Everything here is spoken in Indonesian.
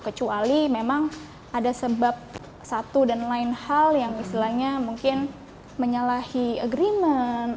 kecuali memang ada sebab satu dan lain hal yang istilahnya mungkin menyalahi agreement